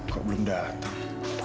kok belum datang